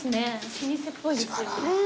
老舗っぽいですよね。